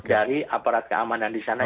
dari aparat keamanan di sana